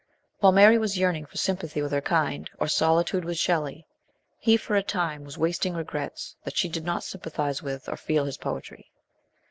While Mary was yearning for sympathy with her kind, or solitude with Shelley, he for a time was wasting regrets that she did not sympathise with or feel his poetry.